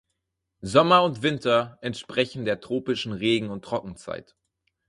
Sommer und Winter entsprechen der tropischen Regen- und Trockenzeit.